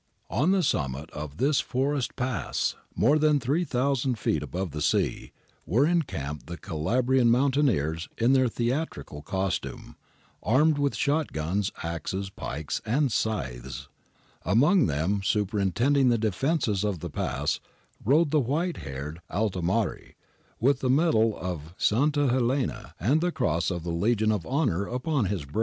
On the summit of this forest pass, more than 3000 feet above the sea, were encamped the Calabrian mountaineers in their theatrical costume, armed with shot guns, axes, pikes, and scythes. Among them, superintending the defences of the pass, rode the white haired Altimare, with the medal of S. Helena and the Cross of the Legion of Honour upon his breast. He 1 Bertani, ii. 177 178.